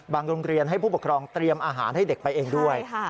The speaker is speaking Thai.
โรงเรียนให้ผู้ปกครองเตรียมอาหารให้เด็กไปเองด้วย